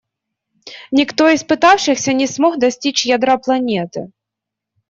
Никто из пытавшихся не смог достичь ядра планеты.